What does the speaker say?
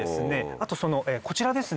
あとこちらですね